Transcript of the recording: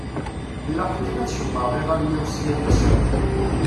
Ilaq kan ad cemṛeɣ iɣallen-iw sya d asawen.